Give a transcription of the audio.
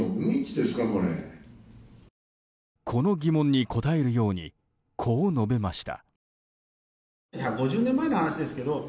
この疑問に答えるようにこう述べました。